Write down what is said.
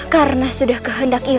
karena sudah kehendak ilmu